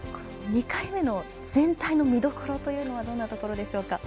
２回目の全体の見どころというのはどんなところでしょうか。